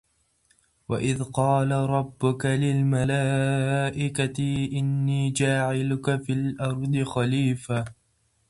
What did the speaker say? وَإِذْ قَالَ رَبُّكَ لِلْمَلٰٓئِكَةِ إِنِّى جَاعِلٌ فِى الْأَرْضِ خَلِيفَةً ۖ